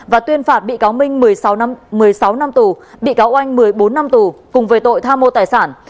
và tuyên phạt bị cáo minh một mươi sáu năm tù bị cáo oanh một mươi bốn năm tù cùng về tội tham mô tài sản